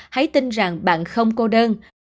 hãy tin rằng bạn không cô đơn